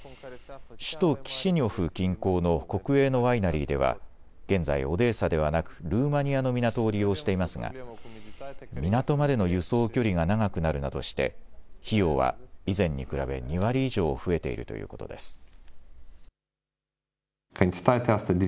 首都キシニョフ近郊の国営のワイナリーでは現在、オデーサではなくルーマニアの港を利用していますが港までの輸送距離が長くなるなどして費用は以前に比べ２割以上増えているということです。